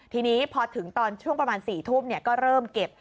ทีนี้พอถึงตอนช่วงประมาณ๔ทุ่มก็เริ่มเก็บ